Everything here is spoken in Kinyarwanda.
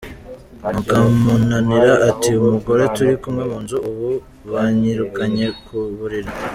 Mukamunanira ati “Umugore turi kumwe mu nzu, ubu banyirukanye ku buriri.